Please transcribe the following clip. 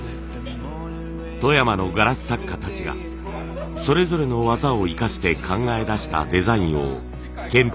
富山のガラス作家たちがそれぞれの技を生かして考え出したデザインを検討します。